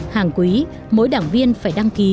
hàng quý mỗi đảng viên phải đăng ký